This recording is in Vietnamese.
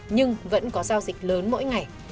nhưng vẫn có giao dịch lớn mỗi ngày